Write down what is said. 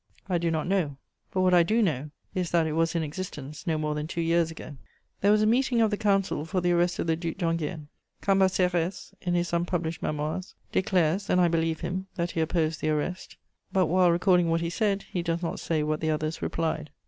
I do not know; but what I do know is that it was in existence no more than two years ago. There was a meeting of the Council for the arrest of the Duc d'Enghien. Cambacérès, in his unpublished Memoirs, declares, and I believe him, that he opposed the arrest; but, while recording what he said, he does not say what the others replied.